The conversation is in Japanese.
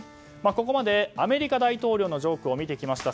ここまでアメリカ大統領のジョークを見てきました。